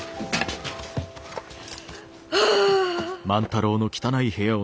はあ。